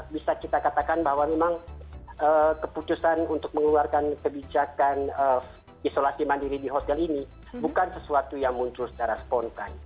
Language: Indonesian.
bisa kita katakan bahwa memang keputusan untuk mengeluarkan kebijakan isolasi mandiri di hotel ini bukan sesuatu yang muncul secara spontan